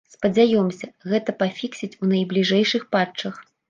Спадзяёмся, гэта пафіксяць у найбліжэйшых патчах!